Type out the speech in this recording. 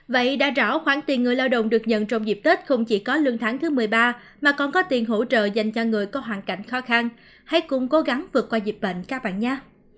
vậy đã rõ khoản tiền người lao động được nhận trong dịp tết không chỉ có lương tháng thứ một mươi ba mà còn có tiền hỗ trợ dành cho người có hoàn cảnh khó khăn hãy cùng cố gắng vượt qua dịch bệnh các bạn nhá